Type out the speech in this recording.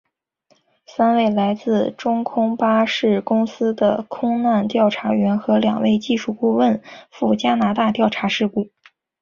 三位来自空中巴士公司的空难调查员和两位技术顾问赴加拿大调查事故。